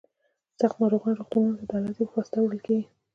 سخت ناروغان روغتونونو ته د الوتکې په واسطه وړل کیږي